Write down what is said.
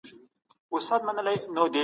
د دولت پانګونې ظرفيتونه لوړ کړي وو.